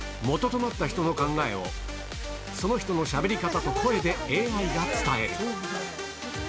元となった人の考えをその人のしゃべり方と声でＡＩが伝える。